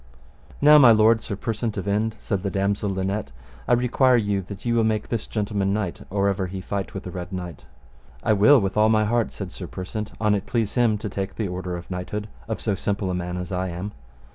Now my lord Sir Persant of Inde, said the damosel Linet, I require you that ye will make this gentleman knight or ever he fight with the Red Knight. I will with all my heart, said Sir Persant, an it please him to take the order of knighthood of so simple a man as I am.